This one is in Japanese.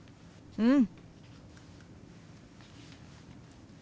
うん！